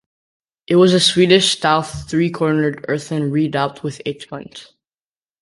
It was a Swedish-style three-cornered earthen redoubt with eight guns.